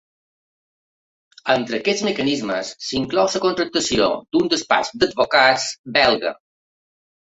Entre aquests mecanismes, s’inclou la contractació d’un despatx d’advocats belga.